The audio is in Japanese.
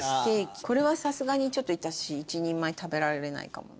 これはさすがにちょっと私１人前食べられないかもな。